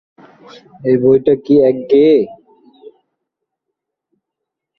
এই বইটা কি একঘেয়ে?